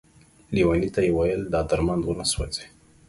ليوني ته يې ويل دا درمند ونه سوځې ،